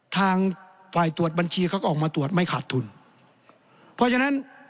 ทางฝ่ายตรวจบัญชีเขาก็ออกมาตรวจไม่ขาดทุนเพราะฉะนั้น